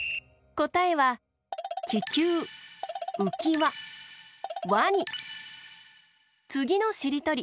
こたえはつぎのしりとり。